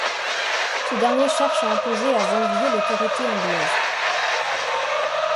Ce dernier cherche à imposer à Janvier l'autorité anglaise.